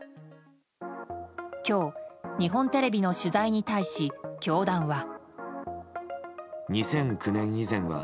今日、日本テレビの取材に対し教団は。